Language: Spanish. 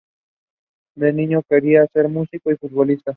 De niño quería ser músico y futbolista.